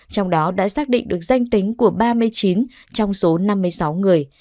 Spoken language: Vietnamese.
trong đó đã xác định được danh tính của ba mươi chín trong số năm mươi sáu người